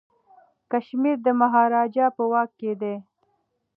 کشمیر د مهاراجا په واک کي دی.